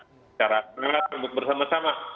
secara akuntabel untuk bersama sama